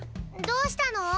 どうしたの？